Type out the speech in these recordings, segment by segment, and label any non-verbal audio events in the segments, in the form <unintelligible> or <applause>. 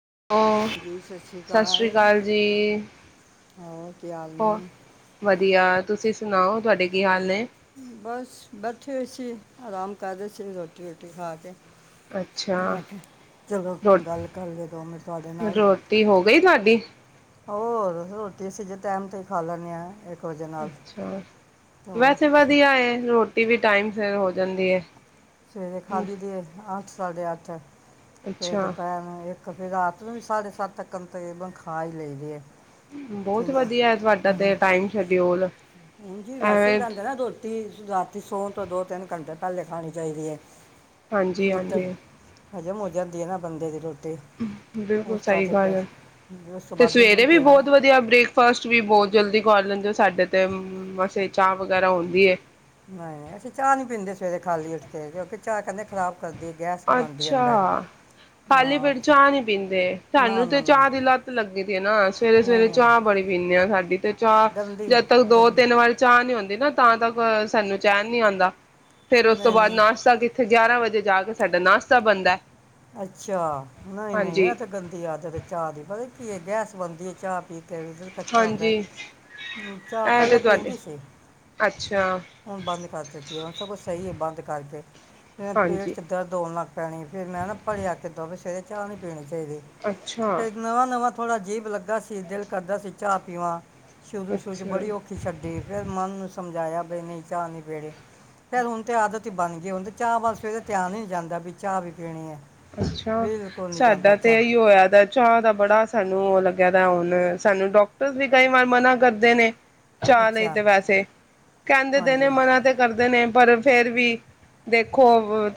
<inaudible> ਸਤਿ ਸ੍ਰੀ ਅਕਾਲ ਜੀ ਹੋਰ ਕੀ ਹਾਲ ਹੋ ਨੇ ਵਧੀਆ। ਤੁਸੀਂ ਸੁਣਾਓ ਤੁਹਾਡੇ ਕੀ ਹਾਲ ਨੇ। ਬਸ ਬੈਠੇ ਹੋਏ ਸੀ ਆਰਾਮ ਕਰ ਰਹੇ ਸੀ ਰੋਟੀ ਰੁਟੀ ਖਾ ਕੇ। ਅੱਛਾ ਮੈਂ ਕਿਹਾ ਚਲੋ ਰੋ ਗੱਲ ਕਰ ਲਈਏ ਦੋ ਮਿੰਟ ਤੁਹਾਡੇ ਨਾਲ ਰੋਟੀ ਹੋ ਗਈ ਤੁਹਾਡੀ ਹੋਰ ਰੋਟੀ ਅਸੀਂ ਜੇ ਟਾਈਮ ਤੇ ਹੀ ਖਾ ਲੈਂਦੇ ਹਾਂ। ਅੱਛਾ ਵੈਸੇ ਸ- ਵਧੀਆ ਹੈ ਰੋ ਏ ਵੀ ਟਾਈਮ ਸਿਰ ਹੋ ਜਾਂਦੀ ਏ। ਸਵੇਰੇ ਖਾਲੀ ਦੇ ਅੱਠ ਸਾਢੇ ਅੱਠ <unintelligible> ਫੇਰ ਅੱਛਾ ਦੁਪੈਰ ਨੂੰ ਇੱਕ <unintelligible> ਫੇ ਰਾਤ ਨੂੰ ਵੀ ਸਾਢੇ ਸੱਤ ਤੱਕਮ ਤਕਰੀਬਨ ਖਾ ਹੀ ਲਈਦੇ ਆ <unintelligible> ਬਹੁਤ ਵਧੀਆ ਤੁਹਾਡਾ ਤੇ ਟਾਈਮ ਸ਼ਡਿਊਲ ਹਜੀ, ਵੈਸੇ ਹੀ ਐਵੇਂ ਕੇਦੇ ਨਾ ਰੋਟੀ ਰਾਤੀ ਸੋ ਤੋਂ ਦੋ, ਤਿੰਨ <unintelligible> ਘਟੇ ਪਹਿਲੇ ਖਾਣੀ ਚਾਹੀਦੀ ਹੈ। <unintelligible> ਹਾਂਜੀ ਮਿਰਚ ਹਾਂਜੀ ਹਜਮ ਹੋ ਜਾਂਦੀ ਹੈ ਨਾ ਬੰਦੇ ਦੀ ਰੋਟ ਬਿਲਕੁਲ ਸਹੀ ਗੱਲ ਹੈ, ਉਸ ਤੋਂ ਤੇ ਬਾਅਦ ਦੁੱਧ ਸਵੇਰੇ ਵੀ ਪੀਣਾ ਹੈ ਬਹੁਤ ਵਧੀਆ ਬ੍ਰੇਕਫਾਸਟ ਵੀ ਬਹੁਤ ਜਲਦੀ ਕਰ ਲੇਦੇ, ਸਾਡੇ ਤੇ ਮਸੇ ਚਾਹ ਵਗੈਰਾ ਹੁੰਦੀ ਹੈ। ਨਹੀਂ, ਨਹੀਂ ਅਸੀਂ ਚਾਹ ਨੀ ਪੀਂਦੇ ਸਵੇਰੇ ਖਾਲੀ ਉੱਠ ਕੇ ਕਿਉਂਕਿ ਚਾਹ ਕਹਿੰਦੇ ਖ਼ਰਾਬ ਅੱਛਾ ਖਾਲੀ ਨਾ ਪੇਟ ਚਾਹ ਨੀ ਪੀਂਦੇ, ਨਾ ਸਾਨੂੰ ਨਾ ਤੇ ਨਾ ਚਾਹ ਦੀ ਲੱਤ ਲੱਗੀ ਦੀ ਨਾ ਸਵੇਰੇ ਨਹੀਂ ਸਵੇਰੇ ਨਹੀਂ ਚਾਹ ਬੜੀ ਪੀਂਦੇ ਆ, ਸਾਡੀ ਤੇ ਚਾਹ ਗੰਦੀ ਜਦ ਤੱਕ ਦੋ, ਗੰਦੀ ਤਿੰਨ ਵਾਰ ਚਾਹ ਨੀ ਆਉਂਦੀ ਨਾ ਤਾਂ ਤੱਕ ਸਾਨੂੰ ਚੈਨ ਨੀ ਆਉਂਦਾ। ਫੇਰ ਉਸ ਤੋਂ ਨਹੀਂ ਬਾਅਦ ਨਹੀਂ ਨਾਸ਼ਤਾ ਕਿੱਥੇ ਗਿਆਰਾਂ ਵਜੇ ਜਾ ਸਾਡਾ ਨਾਸ਼ਤਾ ਬਣਦਾ ਅੱਛਾ। ਨਹੀਂ ਨਹੀਂ ਹਾਂਜੀ ਇਹ ਤੇ ਗੰਦੀ ਆਦਤ ਚਾ ਦੀ ਬ ਕੀ ਗੈਸ ਬਣਦੀ ਹੈ ਚਾਹ ਪੀ ਕੱਚਾ ਹੁੰਦਾ ਹਾਂਜੀ ਚਾਹ ਇਹ ਤੇ ਪਹਿਲਲੇ ਤੁਹਾਡੇ ਪੀਂਦੀ ਸੀ ਅੱਛਾ ਹੁਣ ਬੰਦ ਕਰ ਦਿੱਤੀ ਹੈ ਹੁਣ ਸਗੋਂ ਸਹੀ ਹੈ ਬੰਦ ਕਰਕੇ ਪੇਟ ਹਾਂਜੀ 'ਚ ਦਰਦ ਹੋਣ ਲੱਗ ਪੈਣੀ ਫਿਰ ਮੈਂ ਨਾ <unintelligible> ਦੋ ਸਵੇਰੇ ਚਾਹ ਨੀ ਪੀਣੀ <unintelligible> ਸੇਵੇ ਅੱਛਾ ਤੇ ਨਵਾਂ ਨਵਾਂ <unintelligible> ਥੋੜਾ ਅਜੀਬ ਲੱਗਾ ਸੀ, ਦਿਲ ਕਰਦਾ ਸੀ ਚਾਹ ਪੀਵਾਂ <unintelligible> ਸ਼ੁਰੂ ਸ਼ੁਰੂ ਚ ਅੱਛਾ ਬੜੀ ਔਖੀ ਛੱਡੀ ਫਿਰ ਮਨ ਨੂੰ ਸਮਝਾਇਆ <unintelligible> ਬਾਈ ਨਹੀਂ ਚਾਹ ਨੀ ਪੀੜੇ ਫਰ ਹੁਣ ਤੇ ਆਦਤ ਹੀ ਬਣ ਗਈ ਹੋੁਣ ਤੇ ਚਾਹ ਵੱਲ ਸਵੇਰੇ ਧਿਆਨ ਹੀ ਨਹੀਂ ਜਾਂਦਾ ਵੀ ਚਾਹ ਵੀ ਪੀਣੀ ਹੈ। <unintelligible> ਅੱਛਾ। ਬਿਲਕੁਲ ਨਹੀਂ ਜਾਂਦਾ ਸਾਡਾ ਤੇ ਚਾਹ ਇਹੀ ਹੋਇਆ ਚਾਹਅ ਦਾ ਬੜਾ ਸਾਨੂੰ ਉਹ ਲੱ <unintelligible> ਜਣਾ ਹੁਣ ਸਾਨੂੰ ਡਾਕਟਰ ਵੀ ਕਈ ਵਾਰ ਮਨਾ ਕਰਦੇ ਨੇ ਚਾਅ ਲਈ ਅੱਛਾ ਤੇ ਵੈਸੇ, ਕਹਿੰਦੇ ਤੇ ਹਾਂਜੀ ਨੇ ਮਨਾ ਤੇ ਕਰਦੇ ਨੇ <unintelligible> ਪਰ ਹੁਣ ਫੇਰ ਵੀ ਦੇਖੋ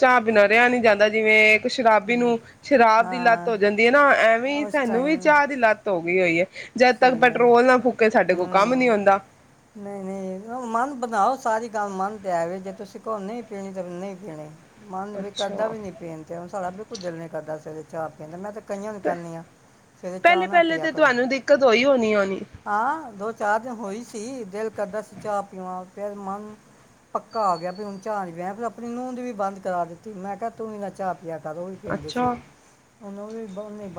ਚਾਹ ਬਿਨਾਂ ਰਿਹਾ ਨਹੀਂ ਜਾਂਦਾ ਜਿਵੇਂ ਤੇ ਸ਼ਰਾਬੀ ਹਮ, ਨੂੰ ਸ਼ਰਾਬ ਦੀ ਲੱਤ ਹਾਂ ਹੋ ਜਾਂਦੀ ਹੈ ਨਾ। ਐਵੇਂ ਹੀ ਉਸ ਸਾਨੂੰ ਵੀ ਟਾਈਮ ਚਾਹ ਦੀ ਲੱਤ ਹੋ <inaudible> ਤੱਕ ਸਹੀ ਗੱਲ। ਪੈਟਰੋਲ ਨਾ ਫੂਕੇ ਸਾਡੇ ਕੋਲ ਕੰਮ ਨੀ ਹੂੰ, ਆਉਂਦਾ ਨਹੀਂ ਨਹੀਂ। ਹਾ ਮਨ ਬਣਾਓ ਸਾਰੀ ਗੱਲ ਮੰਨ ਤੇ ਆ। ਵੀ ਜੇ ਤੁਸੀਂ ਕਹੋ ਨਹੀਂ ਪੀਣੀ ਤਾਂ ਨਹੀਂ ਪੀਣੀ। ਮਨ ਵੀ ਕਰਦਾ ਅੱਛਾ ਵੀ ਨੀ ਪੀਣੀ ਤੇ, ਹੁਣ ਸਾਡਾ ਬਿਲਕੁਲ ਦਿਲ ਨੀ ਕਰਦਾ ਸਵੇਰੇ। ਚਾਹ ਪੀਂਦਾ। ਮੈਂ ਤੇ ਕਈਆਂ ਨੂੰ ਕਹਿਣੀ ਆ ਸਵੇਰੇ ਚਾਹ ਪਹਿਲੇ ਨਾ ਪਹਿਲੇ ਪਿਆ ਤੇ ਕਰੋ। ਤੁਹਾਨੂੰ ਦਿੱਕਤ ਹੋਈ ਹੋਣੀ ਹੋਣੀ ਹਾਂ ਦੋ ਚਾਰ ਦਿਨ ਹੋਈ ਸੀ, ਦਿਲ ਕਰਦਾ ਸੀ ਚਾਹ ਪੀਵਾ। ਫਿਰ ਮਨ ਪੱਕਾ ਆ ਗਿਆ ਵੀ ਹੁਣ ਚਾਹ ਨੀ। ਮੈਂ ਫੇਰ ਆਪਣੀ ਨੂੰਹ ਦੀ ਵੀ ਬੰਦ ਕਰਾ ਦਿੱਤੀ ਮੈਂ ਕਿਹਾ ਤੂੰ ਵੀ ਨਾ ਚਾਹ ਯਾ ਕਦੋਂ ਵੀ ਪੀਂਦੇ ਸੀ। ਅੱਛਾ ਉਹਨੂੰ ਵੀ <unintelligible>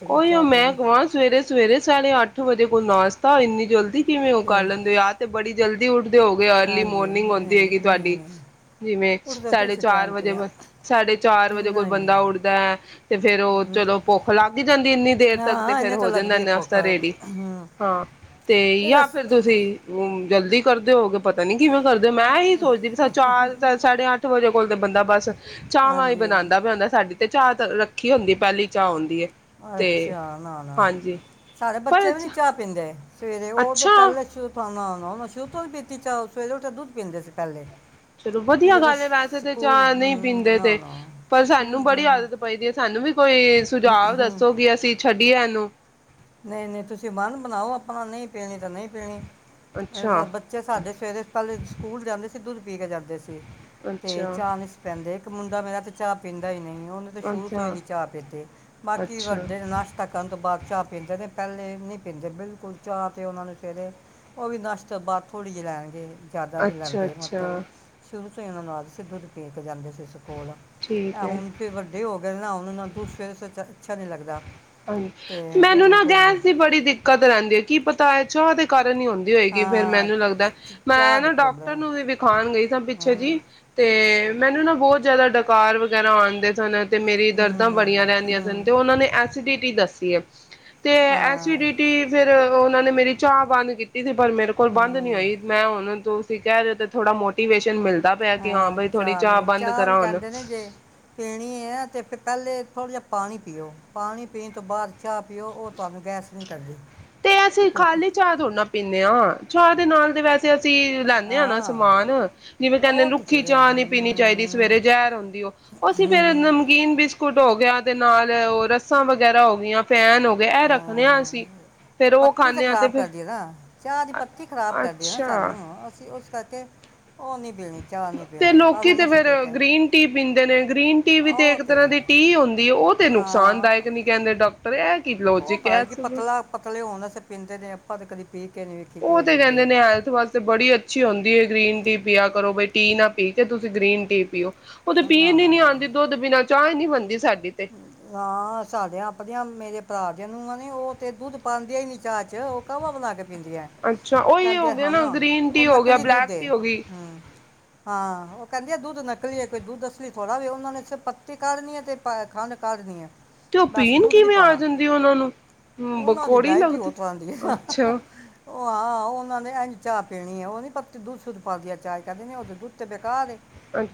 ਸੀ ਫਿਰ ਉਹੀਓ ਚਾਹ ਮੈਂ ਪੀਣੀ ਕਵਾਂ ਸਵੇਰੇ-ਸਵੇਰੇ ਸਾਢੇ ਅੱਠ ਵਜੇ ਕੋਈ ਨਾਸ਼ਤਾ, ਇੰਨੀ ਜਲਦੀ ਕਿਵੇਂ ਉਹ ਤੇ ਕਰ ਲੈਂਦੇ? ਯਾ ਤੇ ਬੜੀ ਜਲਦੀ ਉਠ ਤੇ ਹੋ ਗਏ ਅਰਲੀ ਹਾਂਜੀ ਮੋਰਨਿੰਗ ਨਹੀਂ ਹੁੰਦੀ ਹੋਏਗੀ ਨਹੀਂ ਤੁਹਾਡੀ। ਨਹੀਂ ਜਿਵੇਂ ਉੱਠਦੇ ਤਾਂ ਸਾਡੇ ਅਸੀਂ ਚਾਰ ਟਾਈਮ ਤੇ ਵਜੇ, ਆ ਸਾਡੇ ਚਾਰ ਵਜੇ ਕੋਈ ਨਹੀਂ ਨਹੀਂ ਬੰਦਾ ਉੱਠਦਾ ਹੈ ਤੇ ਫੇਰ ਉਹ ਚਲੋ ਭੁੱਖ ਲੱਗ ਹੀ ਜਾਂਦੀ ਇੰਨੀ ਦੇਰ ਤੱਕ ਤੇ ਹਾਂ ਫੇਰ ਇਹਨੇ ਤਾਂ ਹੋ ਜਾਂਦਾ ਏ ਲੱਗਦੀ ਹੈ ਭੁੱਖ ਨਾਸਤਾ ਰੇਡੀ। ਹਮ, ਹਾਂ, ਤੇ ਇਹਦਾ ਯਾ ਫੇਰ ਤੁਸੀਂ ਜਲਦੀ ਕਰਦੇ ਹੋਗੇ ਪਤਾ ਨੀ ਕਿਵੇਂ ਕਰਦੇ ਹੋ ਮੈਂ ਇਹੀ ਸੋਚਦੀ ਪਈ ਸਾਂ, ਚਾਰ ਸਾਢੇ ਅੱਠ ਵਜੇ ਕੋਲ ਤਾਂ ਬੰਦਾ ਬਸ ਚਾਹਵਾਂ ਹੀ ਹਾਂਜੀ ਬਣਾਦਾ ਬਣਾਦਾ ਸਾਡੀ ਤੇ ਚਾਹ ਧਰ ਰੱਖ ਖੀ ਹੁੰਦੀ ਪਹਿਲੀ। ਚਾਹ ਹੁੰਦੀ ਏ। ਅੱਛਾ ਨਾ-ਨਾ, ਸਾਡੇ ਪਰ ਬੱਚੇ ਵੀ ਨੀ ਚਾਹ ਪੀਂਦੇ। ਸਵੇਰੇ, ਉਹ ਤੇ ਅੱਛਾ ਪਹਿਲੇ <unintelligible> ਨਾ ਮੈਂ ਤਾਂ ਸ਼ੁਰੂ ਤੋਂ ਨੀ ਪੀਤੀ ਚਾਹ, ਉਸ ਵੇਲੇ ਓਥੇ ਦੁੱਧ ਪੀਂਦੇ ਸੀ ਪਹਿਲੇ। ਚਲੋ ਇਹ ਵਧੀਆ ਜਦੋਂ ਗੱਲ ਹੈ ਵੈਸੇ ਤੇ ਸਕੂਲ ਚਾਹ ਨਹੀਂ ਹਮ, ਪੀਂਦੇ ਨਾ ਤੇ ਨਾ ਪਰ ਸਾਨੂੰ ਸਕੂਲ ਬੜੀ ਜਾਂ ਆਦਤ ਪਈਦੀ ਏ। ਸਾਨੂੰ ਵੀ ਕੋਈ ਸੁਝਾਵ ਦੱਸੋ ਕਿ ਅਸੀਂ ਛੱਡੀਏ ਏਨੂੰ। ਨਹੀਂ-ਨਹੀਂ, ਤੁਸੀਂ ਮਨ ਬਣਾਓ ਆਪਣਾ ਨਹੀਂ ਪੀਣੀ ਤਾਂ ਨਹੀਂ ਪੀਣੀ। ਅੱਛਾ, ਬੱਚੇ ਸਾਡੇ ਸਵੇਰੇ ਪਹਿਲੇ ਸਕੂਲ ਜਾਂਦੇ ਸ ਤੇ ਦੁੱਧ ਪੀ ਕੇ ਜਾਂਦੇ ਸੀ। ਤੇ ਅੱਛਾ ਚਾਹ ਨੀ ਸੀ ਪਿਆਂਦੇ। ਮੁੰਡਾ ਮੇਰਾ ਤੇ ਚਾਹ ਪੀਂਦਾ ਈ ਨਈ ਏ। ਉਹਨੇ ਤਾਂ ਸ਼ੁਰੂ ਤੋਂ ਹੀ ਅੱਛਾ ਨਹੀਂ ਚਾਹ ਪੀਤੀ। ਬਾਕੀ ਅੱਛਾ ਵੱਡੇ ਨਾਸ਼ਤਾ ਕਰਨ ਤੋਂ ਬਾਅਦ ਚਾੱਪ ਪੀਂਦੇ ਨੇ ਪੈਲੇ ਨੀ ਪੀਂਦੇ ਬਿਲਕੁਲ ਚਾ ਤੇ ਔਨਾਂ ਨੂੰ ਸਵੇਰੇ ਔ ਵੀ ਨਾਸ਼ਤੇ ਤੋ ਬਾਦ ਥੋੜੀ ਜੀ ਲੈਣਗੇ। ਜਾਦਾ ਨੀ ਅੱਛਾ ਲੈਂਦੇ ਮਤਲ ਅੱਛਾ ਸ਼ੁਰੂ ਤੋਂ ਹੀ ਏਨਾਂ ਨੂੰ ਆਦਤ ਸੀ ਦੁਧ ਪੀ ਕੇ ਜਾਂਦੇ ਸੀ, ਸ ਕੋਲ, ਠੀਕ ਐ ਹੈ ਹੁਣ ਫਿਰ ਵੱਡੇ ਹੋ ਗਏ ਨਾ ਹੁਨ ਐਨਾ ਦੂੂਧ ਸਵੇਰੇ-ਸਵੇਰੇ ਚ ਅੱਛਾ ਨੀ ਲਗਦਾ। ਹਾਂਜ, ਮੈਂ ਮੈਨੂੰ ਨਾ ਗੈਸ ਦੀ ਬੜੀ ਦਿੱਕਤ ਰਹਿੰਦੀ ਏ ਕੀ ਪਤਾ ਐ ਚਾਅ ਦੇ ਫੇਰ ਨੀ ਹੋਂਦੀ ਹੋਏਗੀ ਫੇਰ ਹਾਂ ਮੈਨੂੰ ਲੱਗਦੈ ਚ- ਚ- ਚਾਹ ਮੈਂ ਦੀ ਨਾ ਪ੍ਰੋਬਲਮ ਡਾਕਟਰ ਹੈ ਨੂੰ ਵੀ ਵਿਖਾਣ ਗਈ ਨਾ ਪਿੱਛੇ ਹਾਂ ਜੀ ਤੇ ਤੇ ਮੈਨੂੰ ਨਾ ਬੌਤ ਜੈਦਾ ਡਕਾਰ ਵਗੈਰਾ ਆਂਦੇ ਸਨ ਤੇ ਮੇਰੀ ਦਰਦਾਂ ਹਮ, ਬੜੀਆਂ ਰਹਦੀਆਂ ਸਨ ਹਮ, ਤੇ ਔਨਾਂ ਨੇ ਐ ਐਸੀ ਡੀ ਟੀ ਦਸੀ ਐ। ਤੇ ਹਾਂ ਐਸੀਡੀਟੀ ਫੇਰ ਔ ਔਨਾ ਨੇ ਮੇਰੀ ਚਾਹ ਬੰਦ ਕੀਤੀ ਸੀ। ਪਰ ਮੇਰੇ ਕੋਲ ਬਾੰਦ ਨੀ ਹਮ, ਹੋਈ ਮੈਂ ਹੁਣ ਦੋ ਤੁਸੀਂ ਕੈਰੇ ਔ ਤੇ ਥੋੜਾ ਮੋਟੀਵੇਸ਼ਨ ਮਿਲ ਹਾਂ ਚਾਹ ਨੇ ਚਾਹ ਵੀ ਹੁਣ ਕੈੰਦੇ ਨੇ ਜੇ ਪੀਣੀ ਏ ਤੇ ਫੇਰ ਪੈਲੇ ਥੋੜ੍ਹਾ ਜਾ ਪਾਣੀ ਪੀਓ ਪਾਣੀ ਪੀਣ ਤੋਂ ਬਾਦ ਚਾਹ ਪੀਓ ਔ ਤੁਹਾਨੂੰ ਗੈਸ ਨ੍ਹੀਂ ਕਰਦੀ। ਤੇ ਅਸੀਂ ਉਹ ਤਾਂ- ਖਾਲੀ ਚਾਹ ਥੋੜਨਾ ਪੀਂਦੇ ਆਂ, ਚਾਹ ਦੇ ਨਾਲ ਤੇ ਵੈਸੇ ਅਸ ਸੀਂ ਲੈਂਦੇ ਆਂ ਨਾ ਹਾਂ ਸਮਾਨ। ਜਿਵੇਂ, ਕੈੰਦੇਂ ਉਹ ਤਾਂ ਰੁੱਖੀ ਠੀਕ ਹੈ ਚਾਹ ਨੀ ਪੀਣੀ ਚਾਹੀਦੀ ਹਮ, ਸਵੇਰੇ ਜੈਰ ਹੂੰਦੀ ਔ। ਅਸੀਂ ਫੇਰ ਹਮ, ਨਮਕੀਨ ਬਿਸ ਕੁਟ ਹੋ ਗਿਆ ਤੇ ਨਾਲ ਔ ਰੱਸਾਂ ਵਗੈਰਾ ਹੋ ਗੀਆਂ। ਫੈਨ ਹੋ ਗੇ, ਐ ਰੱਖਣੇ ਹਾਂ ਅਸੀਂ। ਫੇਰ ਉਹ ਪੱਤੀ ਤੇ ਖਾਂਦੇ ਹਾਂ ਖ਼ਰਾਬ ਫਿਰ ਕਰਦੀ ਏ ਨਾ ਚਾਹ ਦੀ ਪੱਤੀ ਖ਼ਰਾਬ ਕਰਦੀ ਏ ਨਾ ਅੱਛਾ ਸਾਨੂੰ। ਅਸੀ ਉਸ ਕਰਕੇ ਔ ਨੀ ਪੀਣੀ। ਚਾਹ ਨਹੀਂ ਤੇ ਪੀਣੀ ਬਾਹਰ ਲੋਕੀ ਹੁਣ ਤੇ ਅਸੀਂ ਫੇਰ ਕਹਿ ਗ੍ਰੀਨ ਟੀ ਪੀਂਦੇ ਨੇ ਗ੍ਰੀਨ ਟੀ ਵੀ ਤੇ ਇੱਕ ਤਰ੍ਹਾਂ ਦੀ ਟੀ ਹੁੰਦੀ ਏ, ਔਹ ਤੇ ਆ ਨੁਕਸਾਨਦਾਇਕ ਨੀ ਕੈੰਦੇ ਡਾਕ ਪਰ ਐ ਕਿ ਉਹ ਲੋੋਜਿਕ ਏ ਪਤਾ ਐ ਨੀ ਕਿ ਸਬ ਪਤਲਾ ਪਤਲੇ ਹੋਣ ਵਾਸਤੇ ਪੀਂਦੇ ਨੇ ਆਪਾਂ ਤੇ ਕਦੀ ਪੀਕ ਔ ਤੇ ਕੈੰਦੇ ਨੇ ਹੈਲਥ ਵਾਸਤੇ ਬੜੀ ਅੱਛੀ ਹੁੰਦੀ ਏ। ਗ੍ਰੀਨ ਟੀ ਪੀਆ ਕਰੋ ਬਈ ਟੀ ਨਾ ਪੀ ਕੇ ਤੁਸੀਂ ਗ੍ਰੀਨ ਟੀ ਪੀਓ। ਔਹ ਤੇ ਪੀਣ ਨੀ ਆਂਦੀ, ਦੋਧ ਬਿਨਾ ਚਾਹ ਈਨੀ ਹੰਦੀ <unintelligible> ਹਾਂ ਸਾਡਿਆਂ ਆਪਣੀਆਂ ਭਰਾ ਦੀਆ ਨੂੰਆਂ ਨੇ ਉਹ ਤੇ ਦੁੱਧ ਪਾਉਂਦੇਿਆ ਹੀ ਨੀ ਚਾਹਅ ਚ, ਉਹ ਕਾਹਵਾ ਬਣਾ ਕੇ ਪੀਂਦੀ ਹੈ ਅੱਛਾ ਉਹੀ ਹੋ ਕਹਿੰਦੇ ਗਿਆ ਹਨ ਨਾ ਗ੍ਰੀਨ ਉਹ ਟੀ ਹੋ ਗਿਆ ਨਕਲੀ ਦੁੱਧ ਬਲੈਕ ਇਹ ਟੀ ਹੋ ਗਈ ਹਾਂ ਉਹ ਕਹਿੰਦੀ ਆ ਦੁੱਧ ਨਕਲੀ ਹੈ ਕੋਈ ਦੱਧ ਅਸਲੀ ਥੋੜਾ ਵੀ ਉਹਨਾਂ ਨੇਿਰ ਪੱਤੀ ਕਢਨੀ ਹੈ ਤੇ ਖੰਡ ਕਾਦ ਦੀਆਂ ਤੇ ਉਹ ਬਸ ਪੀਣ ਦੁੱਧ ਨੀ ਕਿਵੇਂ ਆ ਪਾਣਾ ਜਾਂਦੀ ਉਹਨਾਂ ਨੂੰ ਹਮ ਉਹਨਾਂ ਦੀ ਬਕੌੜੀ ਡਾਇਟ ਹੀ ਉਹ ਲੱਗਦੀ ਤਰ੍ਹਾਂ ਦੀ ਅੱਛਾ ਉਹ ਆਾਂ ਉਹਨਾਂ ਨੇ ਇ ਚਾਹ ਪੀਣੀ ਉਹ ਨੀ ਪੱਤੀ ਦੁੱਧੱਧ ਪਲਦੀ ਆ ਚਾਹ ਕਹਿਿੰਦੇ ਉਹ ਦੁੱ ਤੇਤੇ ਬਕਾ ਦੇ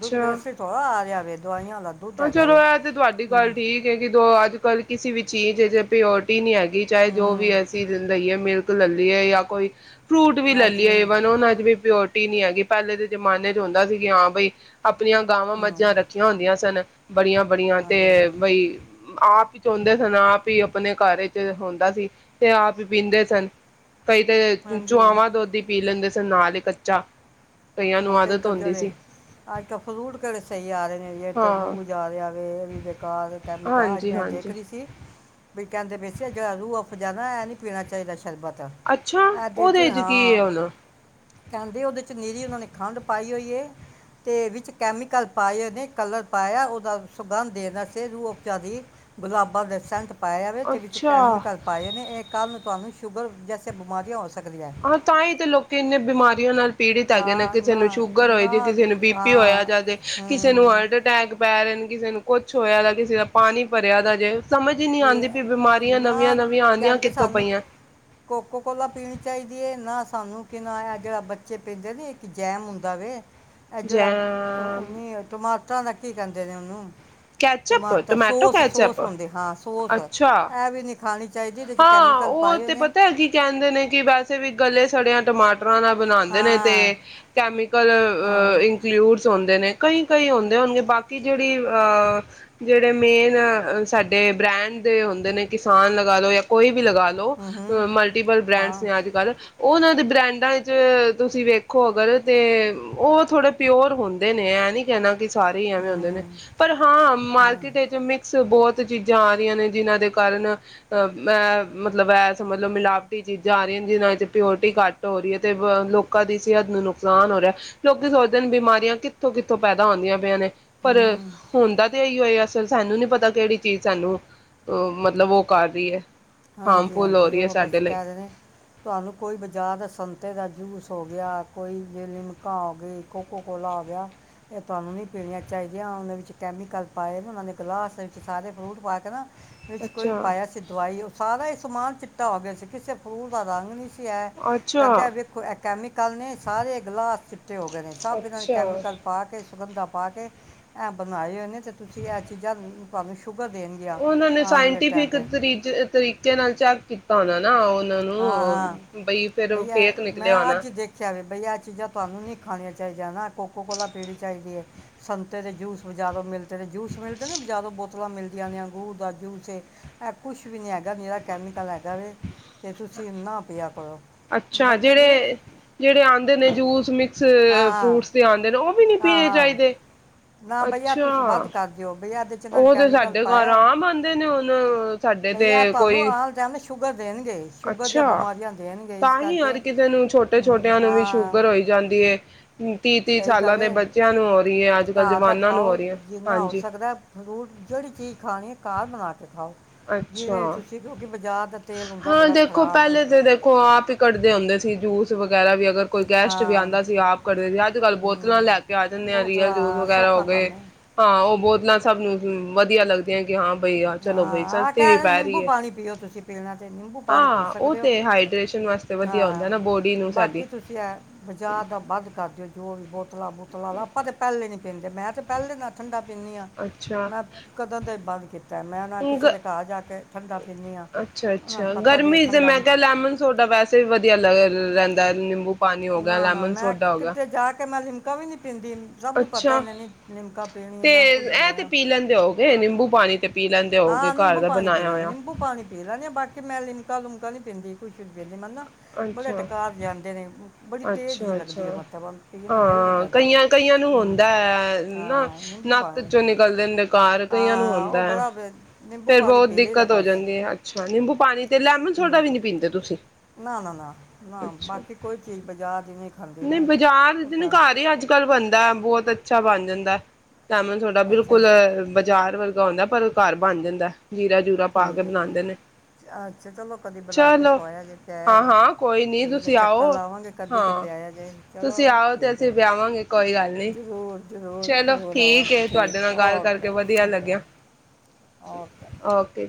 ਦੁੱਧ ਵੈਸੇ ਥੋੜਾ ਆ ਜਾ ਵੇਦਵਾਈ <unintelligible> ਲਾਦੂ ਹਾਂ ਚਗਾ ਚਲੋ ਵ ਇਹ <unintelligible> ਤੁਹਾਡੀ ਗੱਲ ਠੀਕ ਹੈ ਕਿ ਦੋ ਅੱਜ ਕੱਲ੍ਹ ਕਿਸੇ ਵੀ ਚੀ ਜੇ ਪੁਰਿੱਟੀ ਨਹੀਂ ਚਾਹੇ ਜੋ ਵੀ ਹੂੰ ਐਸੀ ਜ਼ਿੰਦਗੀ ਹੈ <unintelligible> ਲੈਂਦੀ ਹੈ ਜਾਂ ਕੋਈ ਫਰੂਟ ਵੀ ਲੈ ਲਈਏ ਹਾਂਜੀ ਇਵਨ ਉਹਨਾਂ ਦੀ ਵੀ ਪਿਓਰ ਟੀ ਨਹੀਂੀ ਹੈਗੀ ਪਹਿਲੇ ਦੇ ਜਮਾਨੇ ਚ ਹੁੰਦਾ ਸੀ ਕਿ ਹਾਂ ਬਈ ਆਪਣੀਆਂ ਗਾਵਾਂ, ਹੂੰ ਮੱਝਾਂ ਰੱਖੀਆਂ ਹੁੰਦੀਆਂ ਸਨ। ਬੜੀਆਂ ਬੜੀਆਂ ਤੇ ਹਾਂਜੀ ਬਈ ਆਪ ਹੀ ਚਾਹੁੰਦੇ ਸਨ, ਆਪ ਹੀ ਆਪਣੇ ਘਰ ਚ ਹੁੰਦਾ ਸੀ, ਤੇ ਆਪ ਹੀ ਪੀਂਦੇ ਸਨ। ਕਈ ਤਾਂ ਹਾਂਜੀ ਚੁਆਵਾਂ ਦੁੱਧ ਹੀ ਪੀ ਲੈਂਦੇ ਸੀ। ਸਰਨਾ <unintelligible> ਦੇ ਕੱਚਾ ਕਈਆਂ ਉਹ ਨੂੰ ਤੇ ਆਦਤ ਇੱਕ ਹੁੰਦੀ ਜਿਹੜੇ ਸੀ ਅੱਜ ਕਲ ਫਰੂਟ ਕਿਹੜੇ ਸਹੀ ਆ ਰਹੇ ਨੇ, ਜਿਵੇਂ ਹਾਂ ਤਰਬੂਜ ਜਾ ਰਿਹਾ <unintelligible> ਤੇ ਇਹ ਵੀ ਬੇਕਾਰ <unintelligible> ਹਾਂਜੀ ਮੈਂ ਦੇਖ ਹਾਂਜੀ ਰਹੀ ਸੀ ਵੀ ਕਹਿੰਦੇ ਪਏ ਸੀ ਜਿਹੜਾ ਰੂਹਫਜਾਣਾ ਹੈ ਇਹ ਨਹੀਂ ਪੀਣਾ ਚਾਹੀਦਾ ਸ਼ਰਬਤ ਅੱਛਾ ਇਹਦੇ ਉਹਦੇ ਚ ਕੀ ਹਾਂ ਆ ਹੁਣ। ਕਹਿੰਦੇ ਉਹਦੇ ਚ ਨੀਰੀ ਖੰਡ ਪਾਈ ਹੋਈਏ ਤੇ ਵਿੱਚ ਕੈਮੀਕਲ ਪਾਏ ਹੋਏ ਨੇ, ਕਲਰ ਪਾਇਆ ਉਹਦਾ ਸੁਗੰਧ ਦੇਣ ਵਾਸਤੇ ਰੂਹਫ਼ਜ਼ਾ ਦੀ, ਗੁਲਾਬਾਂ ਦੇ ਸੈਂਟ ਪਾਇਆ ਵੇ ਤੇ ਵਿੱਚ ਅੱਛਾ ਕੈਮੀਕਲ ਪਾਏ ਨੇ, ਇਹ ਕੱ ਭਾਵੇਂ ਸ਼ੂਗਰ ਜੈਸੀ ਬਿਮਾਰੀਆਂ ਸਕਦੀਆਂ ਹੈ। ਹਾਂ ਤਾਂ ਹੀ ਤੇ ਲੋਕੀ ਇੰਨੇ ਬਿਮਾਰੀਆਂ ਪੀੜਿਤ ਹੈਗੇ ਨੇ। ਹਾਂ ਕਿਸੇ ਨੂੰ ਨਾ ਸ਼ੂਗਰ ਹੋਏ ਨਾ ਜ ਕਿਸੇ ਨੂੰ ਬੀ ਪੀ ਹਾਂ ਹੋਇਆ ਜਾਂ ਕਿਸੇ ਨੂੰ ਹੂੰ ਹਾਰਟ ਅਟੈਕ ਪੈ ਰੈਣ ਕਿਸੇ ਨੂੰ ਕੁਛ ਹੋਇਆ ਦੇ ਕਿਸੇ ਦਾ ਪਾਣੀ ਭਰਿਆ ਦਾ ਜੇ। ਸਮਝ ਹੀ ਨੀ ਆਂਦੀ ਕਿ ਪੀ ਬਿਮਾਰੀਆਂ ਨਾ ਨਵੀਆਂ-ਨਵੀਆਂ ਆਉਂਦੀਆਂ ਕਹਿੰਦੇ ਕਿੱਥੋਂ ਸਾਨੂੰ ਪਈਆਂ। ਕੋਕੋ ਕੋਲਾ ਪੀਣੀ ਚਾਹੀਦੀ ਨਾ ਸਾਨੂੰ ਕਿ ਨਾ ਜਿਹੜਾ ਬੱਚੇ ਪੈਂਦੇ ਨੀ ਇੱਕ ਜੈਮ ਹੁੰਦਾ ਵੇ ਇਹ ਜਿਹੜਾ ਜੈਮ <unintelligible> ਟਮਾਟਰਾਂ ਦਾ ਕੀ ਕੇਂਦੇ ਨੇ ਉਹਨੂੰ ਕੈਚਅਪ ਟਮਾਟਰ ਟੋਮੈਟੋ ਸੋਸ ਸੋਸ ਕੈਚਅਪ। ਹੁੰਦੇ ਹਾਂ ਸੋਸ ਅੱਛਾ, ਇਹ ਵੀ ਨਹੀਂ ਖਾਣੀ ਚਾਹੀਦੀ ਇਹਦੇ ਚ ਹਾਂ ਕੈਮੀਕਲ ਉਹ ਪਾਏ ਹੋਏ ਤੇ ਨੇ ਪਤੈ ਕੀ ਕਹਿੰਦੇ ਨੇ ਕਿ ਵੈਸੇ ਗੱਲੇ ਸੜਿਆ ਟਮਾਟਰ ਨਾਲ ਬਣਾਂਦੇ ਨੇ ਤੇ ਹਾਂ ਕੈਮੀਕਲ ਹਾਂ ਇਨਕਲੁੜ <unintelligible> ਨੇ ਕਈ ਕਈ ਹੁੰਦੇ ਹੋਣਗੇ ਬਾਕੀ ਜਿਹੜੀ ਅ ਜਿਹੜੇ ਮੇਨ ਸਾਡੇ ਬ੍ਰੈਂਡ ਦੇ ਹੁੰਦੇ ਨੇ ਕਿਸਾਨ ਲਗਾ ਲਓ ਜਾਂ ਕੋਈ ਵੀ ਲਗਾ ਲਓ ਹੂੰ ਹੂੰ ਮਲਟੀਪਲ ਹਾਂ ਬ੍ਰੈਂਡਸ ਨੇ ਅੱਜ-ਕੱਲ੍ਹ। ਉਹਨਾਂ ਦੇ ਬ੍ਰੈਂਡਾਂ ਚ ਤੁਸੀਂ ਵੇਖੋ ਅਗਰ ਤੇ ਉਹ ਥੋੜ੍ਹੇ ਪਿਓਰ ਹੁੰਦੇ ਨੇ ਇਹ ਨਹੀਂ ਕਹਿਣਾ ਸਾਰੇ ਹੀ ਐਵੇਂ ਹੁੰਦੇ ਨੇ। ਹੂੰ ਪਰ ਹਾਂ ਹੈ, ਮਾਰਕੀਟ ਇੱਚ ਮਿਕਸ ਬਹੁਤ <unintelligible> ਚੀਜ਼ਾਂ ਆ ਰਹੀਆਂ ਨੇ ਜਿਹਨਾਂ ਦੇ ਕਾਰਨ ਅਹ ਅ ਮਤਲਬ ਐ ਸਮਜਲੋ ਸਮਲਬ ਮਿਲਾਵਟੀ ਚੀਜ਼ਾਂ ਆ ਰਹੀਆਂ ਨੇ, ਜਿਹਨਾਂ ਵਿੱਚ ਪਿਓਰਟੀ ਘੱਟ ਹੋਰੀ ਤੇ ਬ-ਲੋਕਾਂ ਦੀ ਸਿਹਤ ਨੂੰ ਨੁਕਸਾਨ ਹੋ ਰਿਹਾ ਲੋਕੀ ਸੋਚਦੇ ਨੇ ਬਿਮਾਰੀਆਂ ਕਿੱਥੋਂ ਕਿੱਥੋਂ ਪੈਦਾ ਹੁੰਦੀ ਪਿਆਂ ਨੇ। ਪਰ ਹੂੰ ਹੂੰ ਹੁਣਦਾ ਤੇ ਇਹੀ ਹੋਏ ਸਾਨੂੰ ਨੀ ਪਤਾ ਕਿਹੜੀ ਚੀਜ਼ ਸਾਨੂੰ ਅਹ ਮਤਲਬ ਉਹ ਕਰ ਰਹੀ ਹੈ। ਹਾਰਮਫੁਲ ਹੋ ਹਾਂਜੀ-ਹਾਂਜੀ ਰਹੀ ਹੈ ਉਹ ਬਸ ਸਾਡੇ ਲਈ ਕਹਿ ਦੇਣੇ ਤੁਹਾਨੂੰ ਕੋਈ ਬਾਜਾਰ ਦਾ ਸੰਤੇ ਦਾ ਜੂਸ ਹੋ ਗਿਆ ਕੋਈ ਜੇ ਨਿਮਕਾ ਹੋ ਗਈ ਕੋਕੋ ਕੋਲਾ ਹੋ ਗਿਆ ਇਹ ਤੁਹਾਨੂੰ ਨਹੀਂ ਪੀਣੀਆਂ ਚਾਹੀਦੀਆਂ ਉਹਣਾ ਵਿੱਚ ਕੈਮੀਕਲ ਪਾਏ ਨੇ ਉਹਨਾਂ ਦੇ ਗਲਾਸ ਵਿੱਚ ਸਾਰੇ ਫਰੂਟ ਪਾ ਕੇ ਨਾ ਵਿੱਚ ਕੋਈ ਅੱਛਾ ਪਾਇਆ ਸੀ ਦਵਾਈ <unintelligible> ਇਹ ਸਮਾਨ ਚਿੱਟਾ ਹੋ ਗਿਆ ਸੀ ਕਿਸੇ ਫਰੂਟ ਦਾ ਰੰਗ ਨਹੀਂ ਸੀ। ਅੱਛਾ ਕਹਿੰਦੇ ਆ ਵੇਖੋ ਇਹ ਕੈਮੀਕਲ ਨੇ ਸਾਰੇ ਗਲਾਸ ਚਿੱਟੇ ਹੋ ਗਏ ਨੇ ਸਬ ਇੰਨਾ ਨੇ ਅੱਛਾ ਕੈਮੀਕਲ ਪਾ ਕੇ ਸੁਗੰਧਾ ਪਾ ਕੇ ਇਹ ਬਣਾਏ ਹੋਏ ਨੇ ਤੇ ਤੁਸੀਂ ਇਹ ਚੀਜ਼ਾਂ ਅ-ਪਾਵੇ ਉਹਨਾਂ ਨੇ ਸਾਇੰਟੀਫਿਕ ਤਰੀ-ਤਰੀ ਨਾਲ ਚੈੱਕ ਕੀਤਾ ਹੋਣਾ ਨਾ ਹਾਂ-ਹਾਂ ਨੂੰ ਫਿਰ ਬਈ ਅ ਫੇਕ ਮੈਂ ਨਿਕਲਿਆ ਹੋਣਾ ਅੱਜ ਦੇਖਿਆ ਵੇ ਬਈ ਆਹ ਚੀਜ਼ਾਂ ਤੁਹਾਨੂੰ ਨਹੀਂ ਖਾਣੀਆਂ ਚਾਹੀਦੀਆਂ ਨਾ ਕੋਕੋ ਕੋਲਾ ਪੀੜੀ ਚਾਹੀਦੀ ਹੈ। ਸੰਤੇ ਦੇ ਜੂਸ ਬਜ਼ਾਰੋਂ ਮਿਲ ਜੇੜੇ ਜੂਸ ਮਿਲਦੇ ਨਾ ਬਜਾਰੋਂ ਬੋ <unintelligible> ਮਿਲਦੀਆਂ ਨੇ ਅੰਗੂੂਰ ਦਾ ਜੂਸ ਏ, ਇਹ ਕੁਛ ਵੀ ਨਹੀਂ ਹੈਗਾ ਨਿਰਾ ਕੈਮੀਕਲ ਹੈਗਾ ਵੇ। ਤੇ ਤੁਸੀਂ ਨਾ ਪਿਆ ਕਰੋ ਅੱਛਾ ਬੰਦੇ ਵੇਖ ਜਿਹੜੇ -ਜਿਹੜੇ ਆਉਂਦੇ ਨੇ ਹਾਂ ਜੂਸ, ਮਿਕਸ ਹਾਂ ਫਰੂਟਸ ਦੇ ਆਉਂਦੇ ਨੇ ਉਹ ਵੀ ਨੀ ਹਾਂ ਪੀਣੇ ਹਾਂ ਚਾਹੀਦੇ ਨਾ ਭਈਆ ਅੱਛਾ ਤੁਸੀਂ ਵੱਧ ਕਰ ਦਿਓ ਭਈਆ ਇਹਦੇ ਚ ਨਾਲ ਉਹ ਤੇ ਕੈਮੀਕਲ ਸਾਡੇ ਘਰ ਪਾਇਆ ਹੈ। ਆਮ ਆਉਦੇ ਨੇ ਹੁਣ ਸਾਡੇ ਤੇ ਭਈਆ ਤੁਹਾਨੂੰ ਕੋਈ ਆਲ ਟਾਈਮ ਨਾ ਸ਼ੂਗਰ ਦੇਣਗੇ ਸ਼ੂਗਰ ਦੀਆਂ ਅੱਛਾ ਬਿਮਾਰੀਆਂ ਦੇਣਗੇ ਇਸ ਤਾਂ ਹੀ ਕਰਕੇ ਯਾਰ ਕਿਸੇ ਨੂੰ ਛੋਟੇ- ਹਮ, ਛੋਟਿਆਂ ਨੂੰ ਵੀ ਹਾਂ ਸ਼ੂਗਰ ਹੋਈ ਜਾਂਦੀ ਹੈ ਤੀਹ -ਤੀਹ ਸਹੀ ਸਾਲਾਂ ਗੱਲ ਦੇ ਹੈ ਬੱਚਿਆਂ ਨੂੰ ਹੋ ਰਹੀ ਏ ਘਰ ਦਾ ਖਾਓ ਜਿੰਨਾ ਹੋ ਸਕਦਾ। ਫਰੂਟ ਜਿਹੜੀ ਚੀਜ਼ ਖਾਣੀ ਖਾਹ ਬਣਾ ਕੇ ਖਾਓ ਅੱਛਾ ਜਿਵੇਂ ਤੁਸੀਂ ਕਿਉਂਕਿ ਬਾਜ਼ਾਰ ਦਾ ਤੇਲ ਹੁੰਦਾ ਹਾਂ ਬੜਾ ਦੇਖੋ ਖਰਾਬ ਪਹਿਲੇ ਤਾਂ ਦੇਖੋ ਆਪ ਹੀ ਕੱਢਦੇ ਹੁੰਦੇ ਸੀ, ਜੂਸ ਵਗੈਰਾ ਵੀ ਅਗਰ ਕੋਈ ਗੈਸਟ ਵੀ ਹਾਂ ਆਉਂਦਾ ਸੀ ਆਪ ਘਰੇ ਸੀ ਅੱਜ ਕੱਲ ਬੋਤਲਾਂ ਹਮ, ਲੈ ਕੇ ਆ ਜਾਂਦੇ ਆ ਰੀਅਲ ਜੂਸ ਬੋਤਲਾਂ ਵਗੈਰਾ ਹੋ ਸੌਖਾ ਗਏ ਕੰਮ ਹੈ ਹਾਂ ਉਹ ਬਹੁਤ ਬੋਤਲਾਂ ਸਭ ਨੂੰ ਵਧੀਆ ਲੱਗਦੀਆਂ ਹਾਂ ਬਈ, ਆ ਚਲੋ ਬਈ ਹਾਂ ਸਸਤੀ ਵੀ ਕਹਿਣ ਪੈ ਨਿੰਬੂ ਰਹੀ ਹੈ ਪਾਣੀ ਪੀਓ, ਤੁਸੀਂ ਪੀਣਾ ਅਤੇ ਨਿੰਬੂ ਪਾਣੀ ਪੀ ਹਾਂ ਉਹ ਸਕਦੇ ਹੋ ਤੇ ਹਾਈਡ੍ਰੇਸ਼ਨ ਵਾਸਤੇ ਵਧੀਆ ਹਾਂ। ਹੁੰਦਾ ਨਾ ਬੋਡੀ ਨੂੰ ਸਾਡੀ ਬਾਕੀ ਤੁਸੀਂ ਹੈ ਬਾਜ਼ਾਰ ਦਾ ਵੱਧ ਕਰ ਦਿਓ ਜੋ ਵੀ ਬਹੁਤ ਬੋਤਲਾ ਬੂਤਲਾ ਦਾ ਆਪਾਂ ਤਾਂ ਪਹਿਲੇ ਨੀ ਪੀਂਦੇ ਮੈਂ ਤੇ ਪਹਿਲੇ ਨਾਲ ਠੰਡਾ ਪੀਣੀ ਆ, ਅੱਛਾ ਮੈਂ ਕਦੋਂ ਦਾ ਈ ਬੰਦ ਅਤੇ ਮੈਂ ਉਹਨਾਂ ਗ ਕਿਸੇ ਦੇ ਘਰ ਜਾ ਕੇ ਠੰਡਾ ਪੀਂਦੀ ਆ ਅੱਛਾ ਉਹਨਾਂ ਨੂੰ ਅੱਛਾ ਪਤਾ ਵੀ ਇਹ ਗਰਮੀ ਤੇ ਠੰਡਾ ਮੈਂ ਕਿਹਾ ਨਹੀਂ ਲੈਮਨ ਸੋਡਾ ਵੈਸੇ ਵੀ ਵਧੀਆ ਲੱਗਦਾ ਰਹਿੰਦਾ ਏ ਨਿੰਬੂ ਪਾਣੀ ਹੋ ਗਿਆ ਨਾ ਨਾ ਲੈਮਨ ਮੈਂ ਸੋਡਾ ਹੋ ਗਿਆ ਕਿਤੇ ਜਾ ਕੇ ਮੈਂ ਲਿਮ ਕਦੀ ਨਹੀਂ ਪੀਂਦੀ ਸਭ ਨੂੰ ਪਤਾ ਅੱਛਾ ਇਹਨੇ ਨਹੀਂ ਲਿਮਕਾ ਪੀਣੀ ਤੇ ਨਾ ਕੁਝ ਇਹ ਤੇ ਪੀਣਾ ਪੀ ਲੈਂਦੇ ਹੋਗੇ ਨਿੰਬੂ ਪਾਣੀ ਤੇ ਪੀ ਲੈਂਦੇ ਹੋਗੇ ਹਾਂ ਘਰ ਨਿੰਬੂ ਦਾ ਪਾਣੀ ਪੀ ਬਣਾਇਆ ਲੈਦੇ ਹੋਇਆ। ਨਿੰਬੂ ਪਾਣੀ ਪੀ ਲੈਦੇ ਆ, ਬਾਕੀ ਕਿ ਮੈਂ ਲਿਮਕਾ ਲੁਮਕਾ ਨੀ ਪੀਦੀ ਕੁਛ ਜੀ ਨੀ ਮੰਨਦਾ ਅੱਛਾ, ਬੜੀ ਤੇਜ਼ ਜੀ ਅੱਛਾ ਅੱਛਾ ਲੱਗਦੀ ਹੈ ਵਾਤਾਵਰਨ ਪੀਣ ਦਾ ਦਿਲ ਨਹੀਂ ਹਾਂ ਕਰਦਾ ਕਈਆਂ ਕਈਆਂ ਨੂੰ ਹੂੰ ਹੁੰਦਾ ਹੈ। ਨਾ ਹਾਂ ਨਿੰਬੂ ਨੱਕ ਪਾਣੀ ਚੋਂ ਨਿਕਲਦੇ ਨੇ ਡਕਾਰ ਕਈਆਂ ਨੂੰ ਹਾਂ ਉਹ ਹੁੰਦਾ ਹੈ ਬੜਾ ਬ- ਨਿੰਬੂ ਫੇਿਰ ਪਾਣੀ ਬਹੁਤ ਪੀ ਲਈਦਾ ਦਿੱਕਤ ਹੋ ਬਸ ਜਾਂਦੀ ਹੈ। ਅੱਛਾ ਨਿੰਬੂ ਪਾਣੀ ਤੇ ਲੈਮਨ ਸੋਡਾ ਹੂੰ ਵੀ ਨਹੀਂ ਪੀਂਦੇ ਤੁਸੀਂ ਨਾ ਨਾ ਅੱਛਾ। ਬਾਕੀ ਕੋਈ ਚੀਜ਼ ਬਾਜਾਰ ਦੀ ਨਹੀਂ ਖਾਂਦੀ ਨਹੀਂ ਮੈਂ ਬਾਜ਼ਾਰ ਉਹ ਦੀ ਨੀ, ਤਾਂ ਘਰ ਹੀ ਅੱਜ ਕੱਲ੍ਹ ਬੰਨਦਾ ਬਹੁਤ ਅੱਛਾ ਬਣ ਜਾਂਦਾ ਲੈਮਨ ਸੋਡਾ ਅੱਛਾ ਬਿਲਕੁਲ ਬਾਜ਼ਾਰ ਵਰਗਾ ਹੁੰਂਦਾ, ਪਰ ਘਰ ਬਣ ਜਾਂਦਾ ਜੀਰਾ ਜੂਰਾ ਪਾ ਕੇ ਠੀਕ ਹੈ ਜੀ ਬਣਾਉਂਦੇ ਨੇ। ਅੱਛਾ ਚਲੋ ਕਦੀ ਬਣਾ ਕੇ ਚਲੋ ਖਵਾਇਆ ਜੇ ਪਿਆਆ ਜੇ ਹਾਂ-ਹਾਂ ਕੋਈ ਨੀ ਠੀਕ ਹੈ ਤੁਸੀਂ ਚੱਕਰ ਆਓ ਲਾਵਾਂਗੇ ਕਦੀ ਤੇ ਹਾਂ ਪਿਆਆ ਚਲੋ ਤੁਸੀਂ ਆਓ ਤੇ ਠੀਕ ਅਸੀਂ ਵਿਆਵਾਂਗੇ ਕੋਈ ਗੱਲ ਨੀ ਜ਼ਰੂਰ ਜ਼ਰੂਰ ਚਲੋ ਜ਼ਰੂਰ ਠੀਕ ਆਵਾਗੇ ਏ ਤੁਹਾਡੇ ਠੀਕ ਨਾਲ ਗੱਲ ਕਰਕੇ ਵਧੀਆ ਓਕੇ ਲੱਗਿਆ ਓਕੇ ਓਕੇ